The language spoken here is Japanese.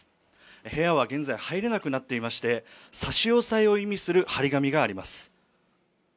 部屋は現在、入れなくなっていまして、差し押さえを意味する貼り紙があります。